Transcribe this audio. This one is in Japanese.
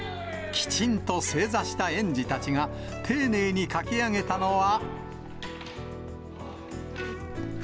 きちんと正座した園児たちが、丁寧に書き上げたのは。